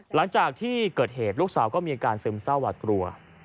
หลังจากที่เกิดเหตุลูกสาวก็มีอาการซึมเศร้าหวาดกลัว